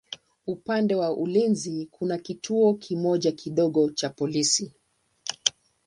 Upande wa ulinzi kuna kituo kimoja kidogo cha polisi.